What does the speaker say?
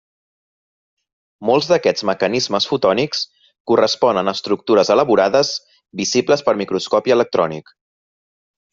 Molts d'aquests mecanismes fotònics corresponen a estructures elaborades visibles per microscopi electrònic.